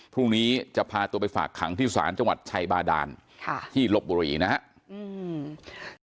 พรุ่งนี้จะพาตัวไปฝากขังที่ศาลจังหวัดชัยบาดานค่ะที่ลบบุรีนะครับ